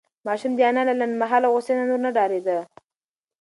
ماشوم د انا له لنډمهاله غوسې څخه نور نه ډارېده.